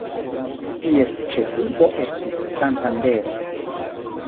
Ties ĉefurbo estis Santandero.